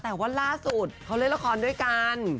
แต่ว่าล่าสุดเขาเล่นละครด้วยกัน